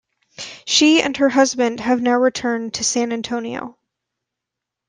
She and her husband have now returned to San Antonio.